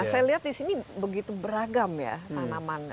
nah saya lihat di sini begitu beragam ya tanaman